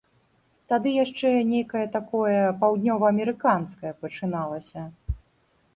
Тады яшчэ нейкае такое паўднёваамерыканскае пачыналася.